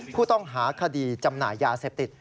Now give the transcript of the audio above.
ผู้ต้องหาคดีจำหน่ายยาเสพติด